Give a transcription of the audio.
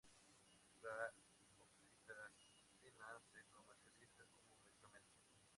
La oxitocina se comercializa como medicamento.